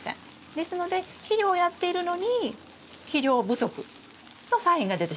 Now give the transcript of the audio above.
ですので肥料をやっているのに肥料不足のサインが出てしまいます。